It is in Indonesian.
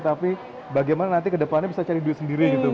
tapi bagaimana nanti ke depannya bisa cari duit sendiri gitu bu